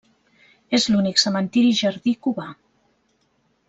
És l'únic cementiri jardí cubà.